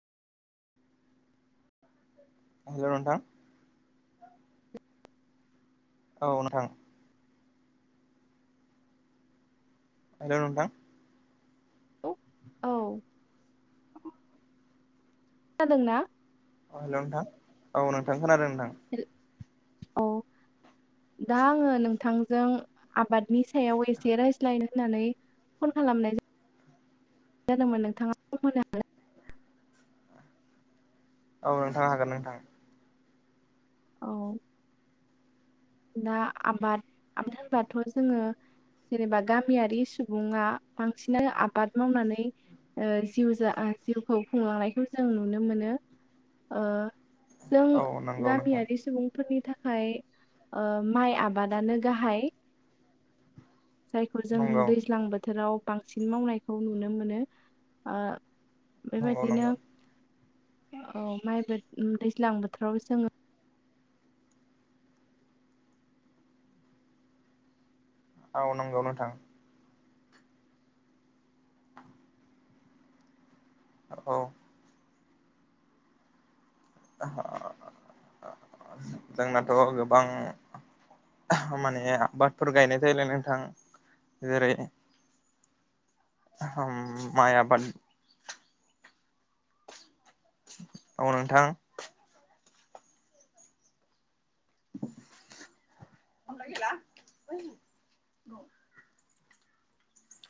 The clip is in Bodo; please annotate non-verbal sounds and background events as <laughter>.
हेल' नोंथां। औ नोंथां। हेल' नोंथां। औ खोनादों ना? अ हेल' नोंथां औ नोंथां खोनादों नोंथां? औ दा आङो नोंथांजों आबादनि सायाव एसे रायज्लायनो होननानै फन खालामनाय जादोंमोन नोंथाङा। <unintelligible> <inaudible> औ नोंथां हागोन नोंथां। औ। दा आबाद आद होनबाथ' जोङो जेनेबा गामियारि सुबुङा बांसिनानो आबाद मावनानै जिउ जा जिउखौ खुंलांनायखौ जों नुनो मोनो। ओ जों औ नंगौ नोंथां गामियारि सुबुं फोरनि थाखाय माइ आबादानो गाहाय। जायखौ जों नंगौ दैज्लां बोथोराव बांसिन मावनायखौ नुनो मोनो। नंगौ बेबायदिनो नंगौ औ माइबो दैज्लां बोथोराव जोङो औ नंगौ नोथां। <unintelligible> ओ औ। जोंनाथ' गोबां माने आबादफोर गायनाय जायोलै नोंथां जेरै माइ आबाद औ नोंथां। <unintelligible>